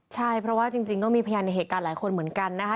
ใช่เพราะว่าจริงก็มีพยานในเหตุการณ์หลายคนเหมือนกันนะคะ